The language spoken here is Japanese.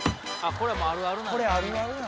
これあるある。